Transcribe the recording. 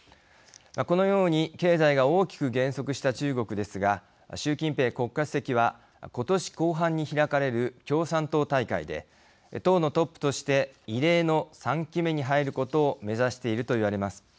このように経済が大きく減速した中国ですが、習近平国家主席はことし後半に開かれる共産党大会で、党のトップとして異例の３期目に入ることを目指しているといわれます。